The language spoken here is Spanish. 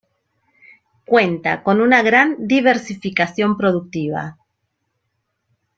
Cuenta con una gran diversificación productiva.